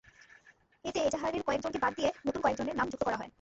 এতে এজাহারের কয়েকজনকে বাদ দিয়ে নতুন কয়েকজনের নাম যুক্ত করা হয়।